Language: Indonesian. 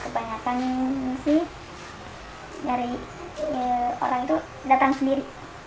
kebanyakan ini sih dari orang itu datang sendiri